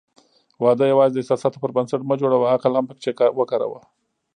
واده یوازې د احساساتو پر بنسټ مه جوړوه، عقل هم پکې وکاروه.